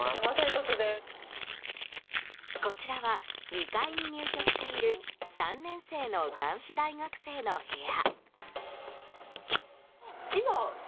こちらは、２階に入居している３年生の男子大学生の部屋。